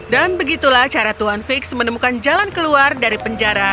dan begitulah cara tuan figgs menemukan jalan keluar dari penjara